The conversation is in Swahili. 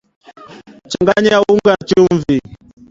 chamganya unga na chumvi